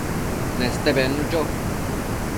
Neste bednu cho